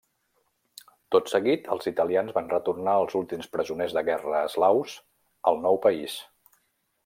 Tot seguit els italians van retornar els últims presoners de guerra eslaus al nou país.